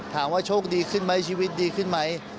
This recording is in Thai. ถามว่าโชคดีขึ้นไหมชีวิตดีขึ้นไหม